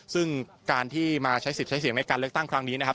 ซึ่งการที่มาใช้สิทธิ์ใช้เสียงในการเลือกตั้งครั้งนี้นะครับ